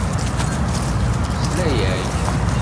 Tesla-ak.